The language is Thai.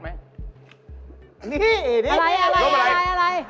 ร่มอะไรร่มอะไร